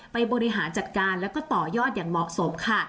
บริหารจัดการแล้วก็ต่อยอดอย่างเหมาะสมค่ะ